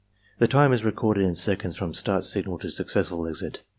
— Time is recorded in seconds from start signal to successful exit.